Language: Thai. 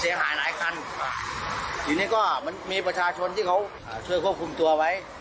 เสียหายหลายคันทีนี้ก็มันมีประชาชนที่เขาช่วยควบคุมตัวไว้